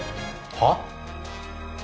はっ！？